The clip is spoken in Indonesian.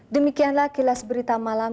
demikianlah kilas berita malam